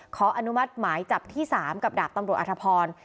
ขออนุมัติหมายจับที่๓กับดาบตำรวจอธพร